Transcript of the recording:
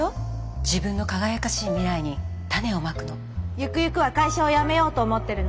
ゆくゆくは会社を辞めようと思ってるの。